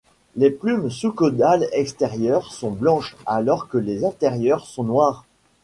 Les plumes sous-caudales extérieures sont blanches, alors que les intérieures sont noires.